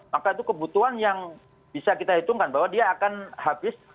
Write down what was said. maka itu kebutuhan yang bisa kita hitungkan bahwa dia akan habis